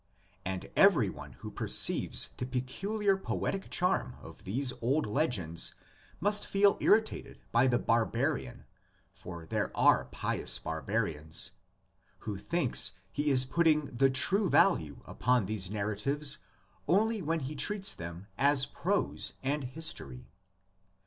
And every one who per ceives the peculiar poetic charm of these old legends must feel irritated by the barbarian — for there are pious barbarians — who thinks he is putting the true value upon these narratives only when he treats them as prose and history.